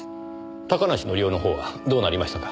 高梨宣夫の方はどうなりましたか？